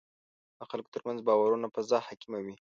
د خلکو ترمنځ باورونو فضا حاکمه وي.